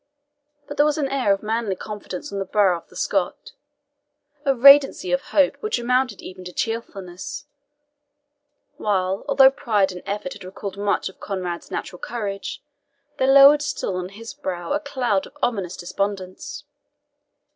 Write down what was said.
But there was an air of manly confidence on the brow of the Scot a radiancy of hope, which amounted even to cheerfulness; while, although pride and effort had recalled much of Conrade's natural courage, there lowered still on his brow a cloud of ominous despondence.